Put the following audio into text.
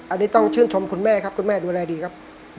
อันนี้ต้องชื่นชมคุณแม่ครับคุณแม่ดูแลดีครับ